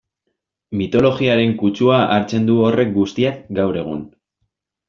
Mitologiaren kutsua hartzen du horrek guztiak gaur egun...